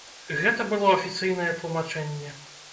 Гэта было афіцыйнае тлумачэнне.